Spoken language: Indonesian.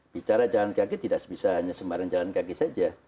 bicara jalan kaki tidak bisa hanya sembarang jalan kaki saja